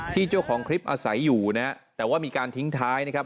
เจ้าของคลิปอาศัยอยู่นะฮะแต่ว่ามีการทิ้งท้ายนะครับ